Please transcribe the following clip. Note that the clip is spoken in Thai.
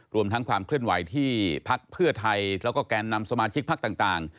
รวมทั้งความเคลื่อนไหวที่พักเพื่อไทยแล้วก็แกนนำสมาชิกพักต่าง